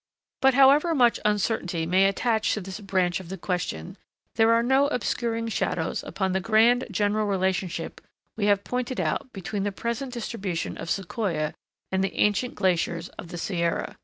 But however much uncertainty may attach to this branch of the question, there are no obscuring shadows upon the grand general relationship we have pointed out between the present distribution of Sequoia and the ancient glaciers of the Sierra.